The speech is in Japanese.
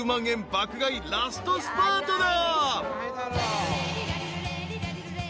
爆買いラストスパートだ］